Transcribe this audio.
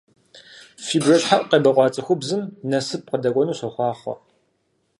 Фи бжэщхьэӀу къебэкъуа цӀыхубзым насып къыдэкӀуэну сохъуахъуэ!